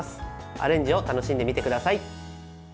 アレンジを楽しんでみてください。